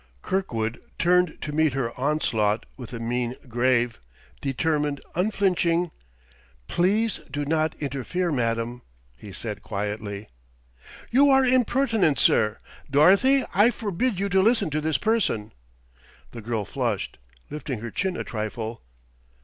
Kirkwood turned to meet her onslaught with a mien grave, determined, unflinching. "Please do not interfere, Madam," he said quietly. "You are impertinent, sir! Dorothy, I forbid you to listen to this person!" The girl flushed, lifting her chin a trifle.